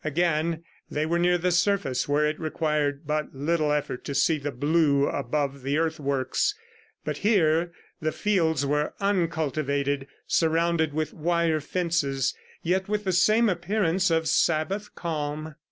Again they were near the surface where it required but little effort to see the blue above the earth works. But here the fields were uncultivated, surrounded with wire fences, yet with the same appearance of Sabbath calm.